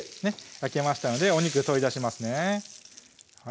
焼けましたのでお肉取り出しますね